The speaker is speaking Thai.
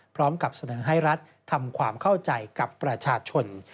พร้อมกับเสนอให้รัฐทำความเข้าใจกับประชาชน